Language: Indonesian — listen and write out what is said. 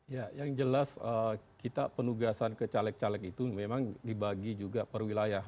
ya yang jelas kita penugasan ke caleg caleg itu memang dibagi juga per wilayah